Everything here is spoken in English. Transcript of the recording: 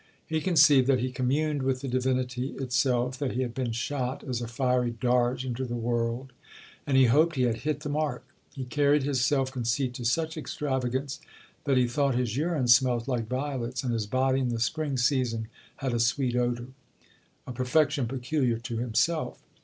He conceived that he communed with the Divinity itself! that he had been shot as a fiery dart into the world, and he hoped he had hit the mark. He carried his self conceit to such extravagance, that he thought his urine smelt like violets, and his body in the spring season had a sweet odour; a perfection peculiar to himself.